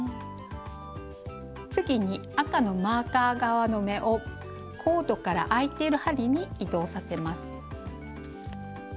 次に赤のマーカー側の目をコードからあいてる針に移動させます。